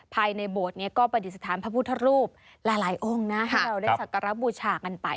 ภายในโบสถ์นี้ก็ปฏิสถานพระพุทธรูปหลายองค์นะให้เราได้สักการะบูชากันไป